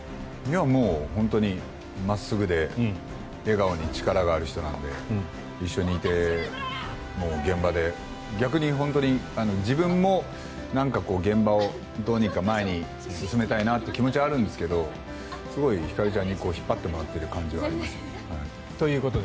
もう、本当に真っすぐで笑顔に力がある人なので一緒にいて現場で逆に本当に自分もなんかこう現場をどうにか前に進めたいなという気持ちはあるんですがすごいひかりちゃんに引っ張ってもらっている感じがあります。